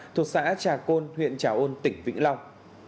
trà côn huyện trà côn tỉnh vĩnh long